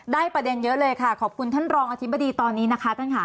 ประเด็นเยอะเลยค่ะขอบคุณท่านรองอธิบดีตอนนี้นะคะท่านค่ะ